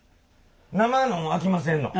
生のもんあきませんの？